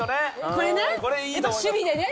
これねやっぱ守備でね